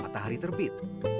dan matahari terbit